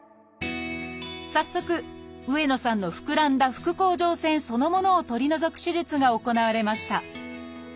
早速上野さんの膨らんだ副甲状腺そのものを取り除く手術が行われました。